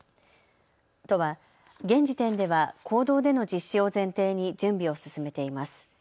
都は、現時点では公道での実施を前提に準備を進めています。